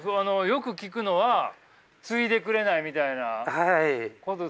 よく聞くのは継いでくれないみたいなこと。